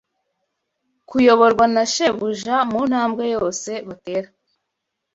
kuyoborwa na Shebuja mu ntambwe yose batera.